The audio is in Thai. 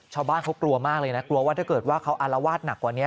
ชาวบ้านเขากลัวมากเลยนะกลัวว่าถ้าเกิดว่าเขาอารวาสหนักกว่านี้